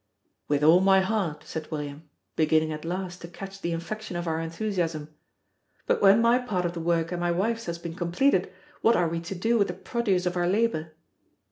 "With all my heart," said William, beginning at last to catch the infection of our enthusiasm. "But when my part of the work and my wife's has been completed, what are we to do with the produce of our labor?"